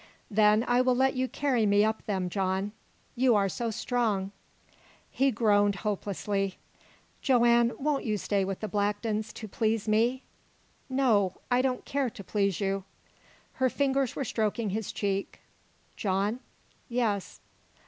"Then I will let you carry me up them, John. You are so strong " He groaned hopelessly. "Joanne, won't you stay with the Blacktons, to please me?" "No. I don't care to please you." Her fingers were stroking his cheek. "John?" "Yes."